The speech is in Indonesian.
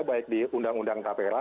baik di undang undang tapera